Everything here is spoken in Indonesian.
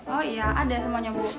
oh iya ada semuanya bu